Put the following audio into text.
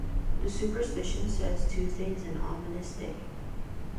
The superstition says Tuesday is an ominous day.